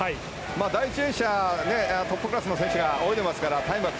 第１泳者、トップクラスの選手が泳いでいますので。